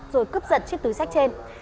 bắt giật chiếc túi sách trên